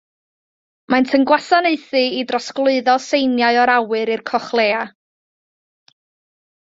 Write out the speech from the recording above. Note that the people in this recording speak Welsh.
Maent yn gwasanaethu i drosglwyddo seiniau o'r awyr i'r cochlea.